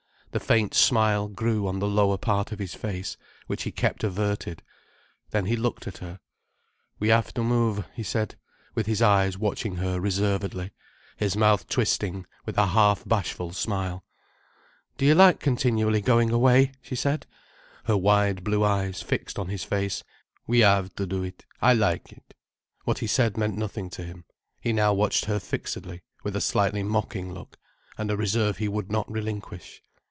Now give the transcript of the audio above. The faint smile grew on the lower part of his face, which he kept averted. Then he looked at her. "We have to move," he said, with his eyes watching her reservedly, his mouth twisting with a half bashful smile. "Do you like continually going away?" she said, her wide blue eyes fixed on his face. He nodded slightly. "We have to do it. I like it." What he said meant nothing to him. He now watched her fixedly, with a slightly mocking look, and a reserve he would not relinquish.